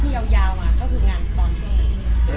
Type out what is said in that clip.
ที่ยาวมาก็คืองานตอนช่วงหนึ่ง